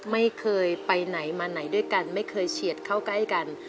ไม่เคยไปไหนมาไหนด้วยกันไม่เคยเฉียดเข้าใกล้กัน